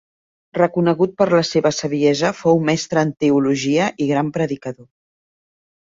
Reconegut per la seva saviesa, fou mestre en teologia i gran predicador.